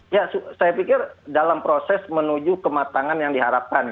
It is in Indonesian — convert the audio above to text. ya saya pikir dalam proses menuju kematangan yang diharapkan ya